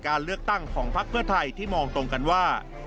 การเลือกตั้งของพักเพื่อไทยที่มองตรงกันว่า